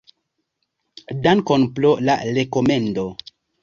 Dankon pro la rekomendo.